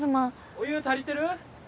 お湯足りてる？